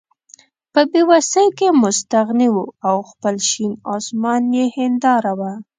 په بې وسۍ کې مستغني وو او خپل شین اسمان یې هېنداره وه.